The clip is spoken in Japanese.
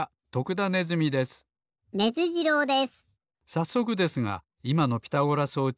さっそくですがいまのピタゴラ装置